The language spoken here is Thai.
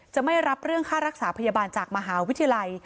จะไม่รับเรื่องค่ารักษาพยาบาลจากมหาวิทยาลัย